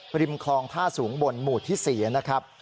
ริมคลองท่าสูงบนหมู่ที่๔นะครับ